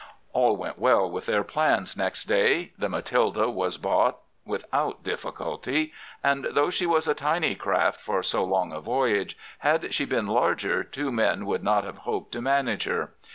"All went well with their plans next day. The Matilda was bought without difficulty; and, though she was a tiny craft for so long a voyage, had she been larger two men could not have hoped to manage her.